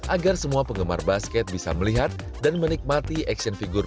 agar semua penggemar basket bisa melihat dan menikmati action figure